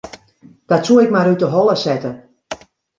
Dat soe ik mar út 'e holle sette.